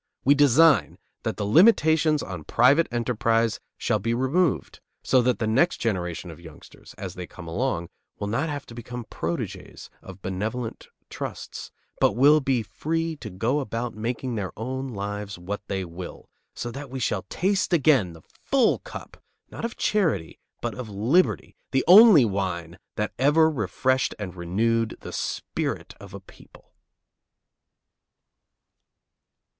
We design that the limitations on private enterprise shall be removed, so that the next generation of youngsters, as they come along, will not have to become protégés of benevolent trusts, but will be free to go about making their own lives what they will; so that we shall taste again the full cup, not of charity, but of liberty, the only wine that ever refreshed and renewed the spirit of a people.